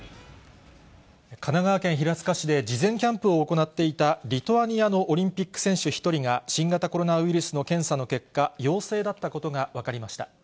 神奈川県平塚市で事前キャンプを行っていた、リトアニアのオリンピック選手１人が、新型コロナウイルスの検査の結果、陽性だったことが分かりました。